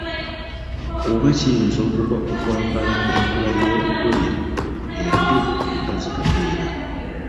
Oba kiyinza okuva ku kwambala enkola y'olugoye embi nga zi "kapiira"